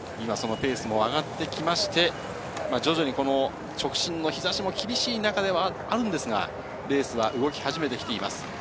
ペースも上がってきまして徐々に直進の日差しも厳しい中ではあるんですが、レースが動き始めています。